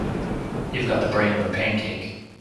You've got the brain of a pancake.